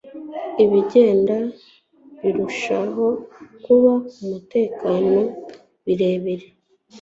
ibigenda birushaho kuba umutekano, birebire